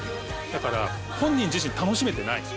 だから本人自身楽しめてない。